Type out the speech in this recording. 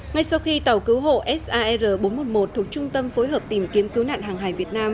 ngay sau khi tàu cứu hộ sar bốn trăm một mươi một thuộc trung tâm phối hợp tìm kiếm cứu nạn hàng hải việt nam